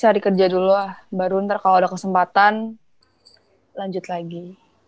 cari kerja dulu baru ntar kalau ada kesempatan lanjut lagi